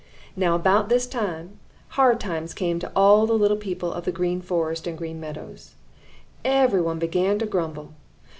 "Now about this time, hard times came to all the little people of the Green Forest and the Green Meadows. Every one began to grumble.